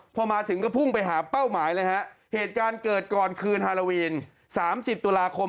พอมาถึงก็พุ่งไปหาเป้าหมายเลยฮะเหตุการณ์เกิดก่อนคืนฮาโลวีน๓๐ตุลาคม